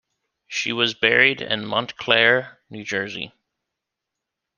She was buried in Montclair, New Jersey.